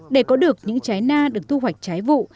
để có được những trái na được thu hoạch trái vụ